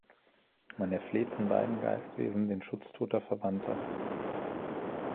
Man erfleht von beiden Geistwesen den Schutz toter Verwandter.